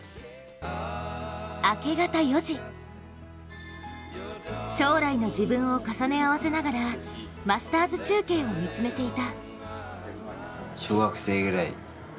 明け方４時、将来の自分を重ね合わせながらマスターズ中継を見つめていた。